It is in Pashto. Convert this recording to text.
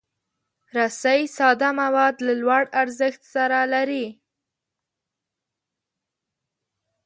رسۍ ساده مواد له لوړ ارزښت سره لري.